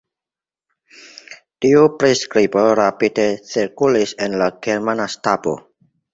Tiu priskribo rapide cirkulis en la germana stabo.